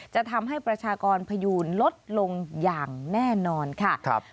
จะทำให้ประชากรพยูนลดลงอย่างแน่นอนค่ะ